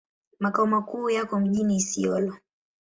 Makao makuu yako mjini Isiolo.